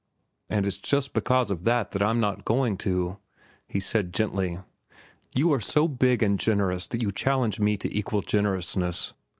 "And it's just because of that that I'm not going to," he said gently. "You are so big and generous that you challenge me to equal generousness.